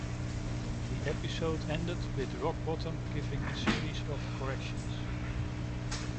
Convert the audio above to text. The episode ended with Rock Bottom giving a series of corrections.